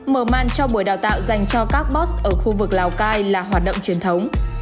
mở màn cho buổi đào tạo dành cho carbot ở khu vực lào cai là hoạt động truyền thống